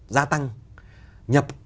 gia tăng nhập